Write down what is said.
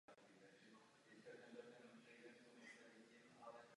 Naše poselství proto vyjadřujeme velmi jasně.